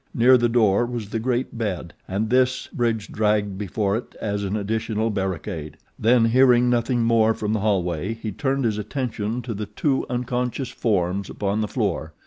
Near the door was the great bed, and this Bridge dragged before it as an additional barricade; then, bearing nothing more from the hallway, he turned his attention to the two unconscious forms upon the floor.